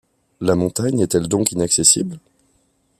La montagne est-elle donc inaccessible ?